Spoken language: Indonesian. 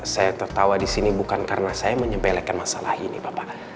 saya tertawa di sini bukan karena saya menyempelekan masalah ini bapak